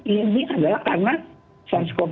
ini karena sars cov dua